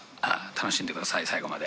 楽しんでください最後まで。